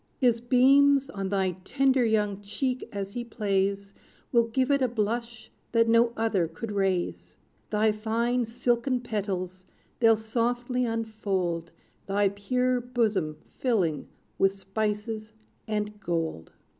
His beams, on thy tender young cheek as he plays, Will give it a blush that no other could raise: Thy fine silken petals they'll softly unfold, Thy pure bosom filling with spices and gold!